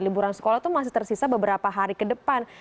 liburan sekolah itu masih tersisa beberapa hari ke depan